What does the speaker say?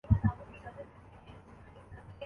بولتے وقت الفاظ ایک دوسرے کے ساتھ جوڑ دیتا ہوں